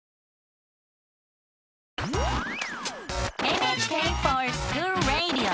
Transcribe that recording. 「ＮＨＫｆｏｒＳｃｈｏｏｌＲａｄｉｏ」！